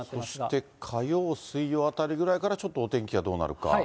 そして火曜、水曜あたりぐらいからちょっとお天気がどうなるか。